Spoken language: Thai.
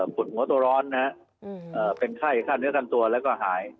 ปวดหัวตัวร้อนเป็นไข้ค่าเนื้อขั้นตัวแล้วก็หาย